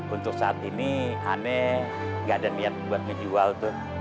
untuk saat ini aneh gak ada niat buat menjual tuh